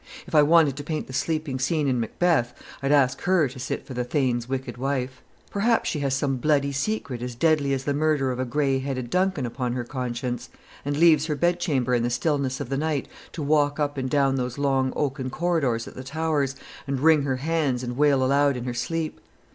If I wanted to paint the sleeping scene in Macbeth, I'd ask her to sit for the Thane's wicked wife. Perhaps she has some bloody secret as deadly as the murder of a grey headed Duncan upon her conscience, and leaves her bedchamber in the stillness of the night to walk up and down those long oaken corridors at the Towers, and wring her hands and wail aloud in her sleep.